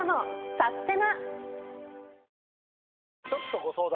サステナ！